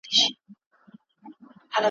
جهاني څنګه پردی سوم د بابا له هدیرې مي ,